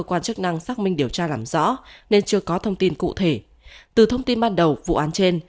cơ quan chức năng xác minh điều tra làm rõ nên chưa có thông tin cụ thể từ thông tin ban đầu vụ án trên